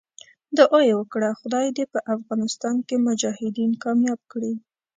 دعا یې وکړه خدای دې په افغانستان کې مجاهدین کامیاب کړي.